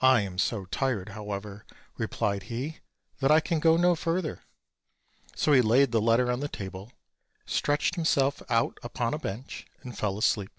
"I am so tired, however," replied he, "that I can go no further;" so he laid the letter on the table, stretched himself out upon a bench, and fell asleep.